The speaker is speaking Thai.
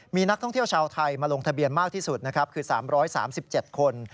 มีนักท่องเที่ยวชาวไทยมาลงทะเบียนมากที่สุดนะครับคือ๓๓๗คน